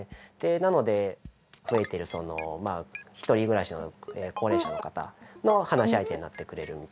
なので増えている独り暮らしの高齢者の方の話し相手になってくれるみたいな。